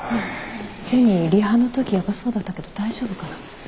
ジュニリハの時ヤバそうだったけど大丈夫かな。